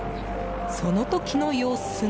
その時の様子が。